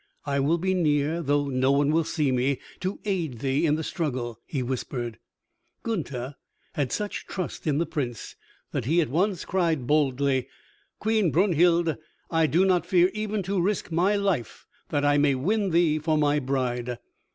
"I will be near though no one will see me, to aid thee in the struggle," he whispered. Gunther had such trust in the Prince that he at once cried boldly, "Queen Brunhild, I do not fear even to risk my life that I may win thee for my bride."